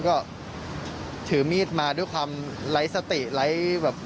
ก็ถือมีดมาด้วยความไร้สติไร้แบบ